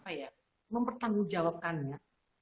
apa ya mempertanggungjawabkannya